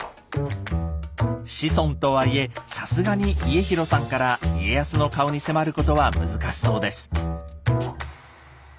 子孫とはいえさすがに家広さんから「家康の顔」に迫ることは難しそうです。